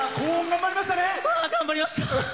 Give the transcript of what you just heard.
頑張りました！